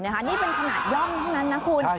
นี่เป็นขนาดย่องเท่านั้นนะคุณ